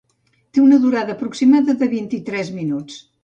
Té una durada aproximada de vint-i-tres minuts.